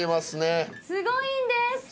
すごいんです！